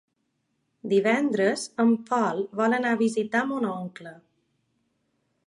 Divendres en Pol vol anar a visitar mon oncle.